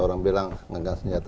orang bilang mengangkat senjata